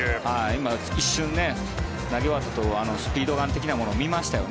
今、一瞬投げ終わったあとスピードガン的なものを見ましたよね。